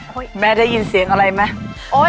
แม่ได้ยินเสียงอะไรไหม